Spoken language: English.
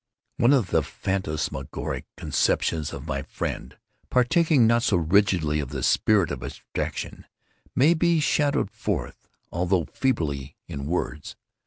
One of the phantasmagoric conceptions of my friend, partaking not so rigidly of the spirit of abstraction, may be shadowed forth, although feebly, in words.